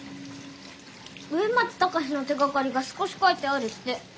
ウエマツタカシの手がかりが少し書いてあるって。